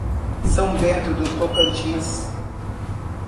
São Bento do Tocantins